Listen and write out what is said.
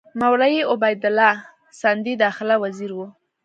مولوي عبیدالله سندي داخله وزیر وو.